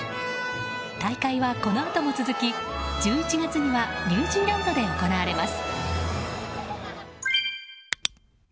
大会は、このあとも続き１１月にはニュージーランドで行われます。